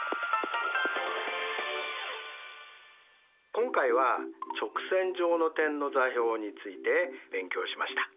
今回は直線上の点の座標について勉強しました。